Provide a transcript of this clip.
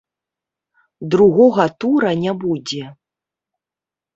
Другога тура не будзе.